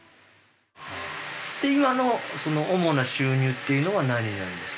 今の主な収入っていうのは何になるんですか？